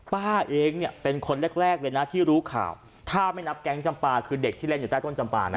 ป้าเองเนี่ยเป็นคนแรกเลยนะที่รู้ข่าวถ้าไม่นับแก๊งจำปลาคือเด็กที่เล่นอยู่ใต้ต้นจำปานะ